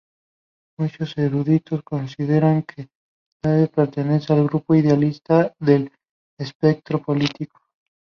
Muchos eruditos consideran que Doyle pertenece al grupo idealista del espectro político.